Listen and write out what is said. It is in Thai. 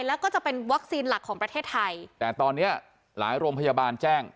แล้วก็จะเป็นวัคซีนหลักของประเทศไทยแต่ตอนเนี้ยหลายโรงพยาบาลแจ้ง